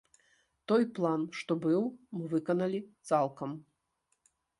Той план, што быў, мы выканалі цалкам.